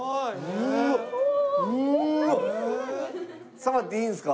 触っていいんですか？